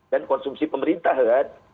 dan konsumsi pemerintah kan